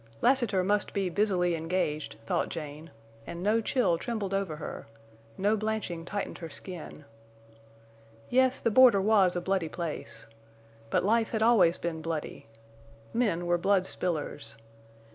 Lassiter must be busily engaged, thought Jane, and no chill trembled over her, no blanching tightened her skin. Yes, the border was a bloody place. But life had always been bloody. Men were blood spillers.